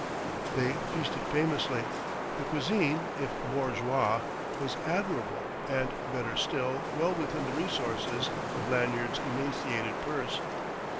They feasted famously: the cuisine, if bourgeois, was admirable and, better still, well within the resources of Lanyard's emaciated purse.